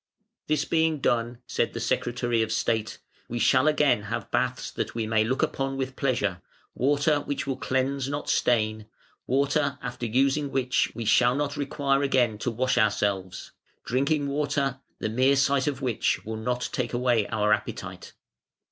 "This being done", said the Secretary of State, "we shall again have baths that we may look upon with pleasure, water which will cleanse, not stain, water after using which we shall not require again to wash ourselves: drinking water, the mere sight of which will not take away our appetite".